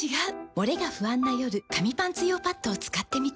モレが不安な夜紙パンツ用パッドを使ってみた。